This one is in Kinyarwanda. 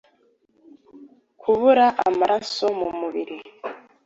Kubura amaraso mu mubiri